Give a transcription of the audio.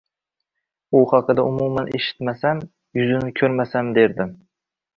U haqida umuman eshitmasam, yuzini ko`rmasam derdim